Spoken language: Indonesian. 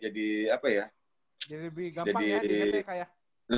jadi lebih gampang ya diingatnya kayaknya